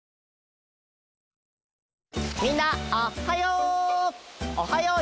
みんなおはよう！